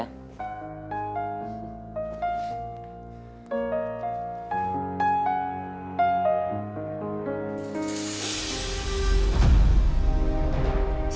sifaa tunggu ya cantik ya